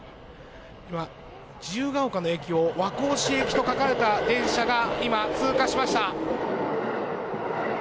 今、自由が丘の駅を和光市行きと書かれた電車が今、通過しました。